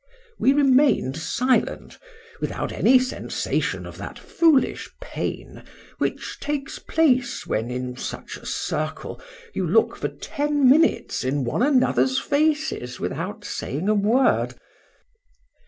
—We remained silent, without any sensation of that foolish pain which takes place, when, in such a circle, you look for ten minutes in one another's faces without saying a word.